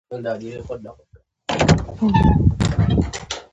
زموږ د کوڅې جنګ هیڅ وخت پای ته نه رسيږي.